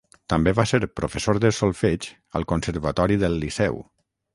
També va ser professor de solfeig al conservatori del Liceu.